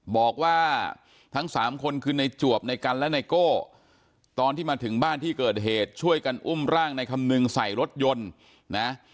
บอกว่าทั้งสามคนคือในจวบในกันและไนโก้ตอนที่มาถึงบ้านที่เกิดเหตุช่วยกันอุ้มร่างในคำนึงใส่รถยนต์นะ